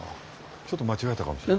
ちょっと間違えたかもしれない。